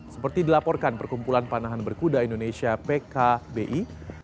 seperti dilaporkan perkumpulan panahan berkuda indonesia pkb